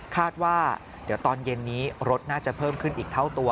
ว่าเดี๋ยวตอนเย็นนี้รถน่าจะเพิ่มขึ้นอีกเท่าตัว